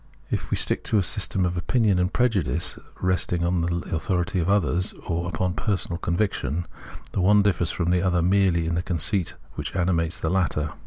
If we stick to a system of opinion and prejudice resting on the authority of others, or upon personal conviction, the one differs from the other merely in the conceit which animates the latter.